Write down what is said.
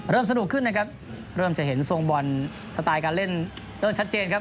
สนุกขึ้นนะครับเริ่มจะเห็นทรงบอลสไตล์การเล่นเริ่มชัดเจนครับ